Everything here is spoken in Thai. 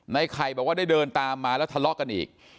ในไข่บอกว่าได้เดินตามมาแล้วทะเลาะกันอีก